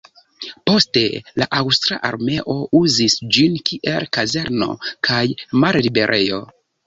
Poste la aŭstra armeo uzis ĝin kiel kazerno kaj malliberejo.